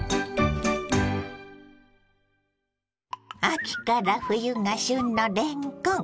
秋から冬が旬のれんこん。